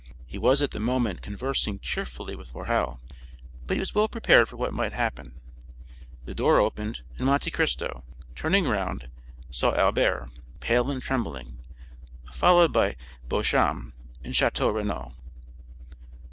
He was at the moment conversing cheerfully with Morrel, but he was well prepared for what might happen. The door opened, and Monte Cristo, turning round, saw Albert, pale and trembling, followed by Beauchamp and Château Renaud.